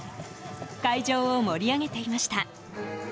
会場を盛り上げていました。